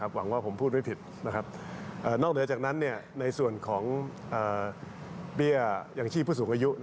หวังว่าผมพูดไม่ผิดนอกเหนือจากนั้นในส่วนของเบี้ยยังชีพผู้สูงอายุ